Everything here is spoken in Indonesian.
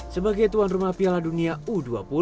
sebagai tuan rumah piala dunia u dua puluh